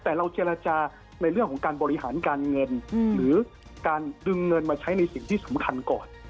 แต่เราเจรจาในเรื่องของการบริหารการเงินหรือการดึงเงินมาใช้ในสิ่งที่สำคัญก่อน